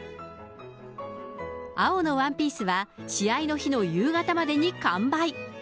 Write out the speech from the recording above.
青のワンピースは、試合の日の夕方までに完売。